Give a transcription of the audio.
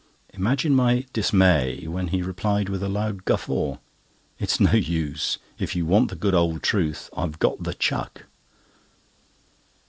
Imagine my dismay when he replied with a loud guffaw: "It's no use. If you want the good old truth, I've got the chuck!"